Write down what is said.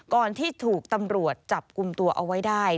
ที่ถูกตำรวจจับกลุ่มตัวเอาไว้ได้